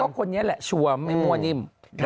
คนนี้แหละชัวร์ไม่มั่วนิ่ม